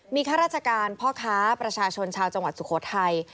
มีข้าราชการพ่อค้าประชาชนชาวจังหวัดสุโขทัย